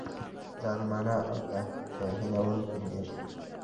ظالمانه او توهینونکی وېش وو.